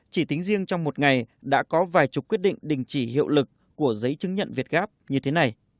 chỉ tính riêng trong một ngày đã có vài chục quyết định đình chỉ hiệu lực của giấy chứng nhận việt gáp như thế này